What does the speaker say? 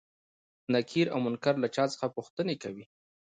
نکير او منکر له چا څخه پوښتنې کوي؟